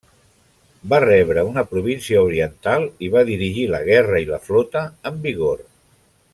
Va rebre una província oriental i va dirigir la guerra i la flota amb vigor.